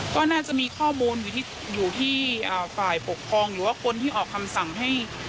ก็น่าจะมีข้อมูลอยู่ที่ฝ่ายปกครองหรือว่าคนที่ออกคำสั่งให้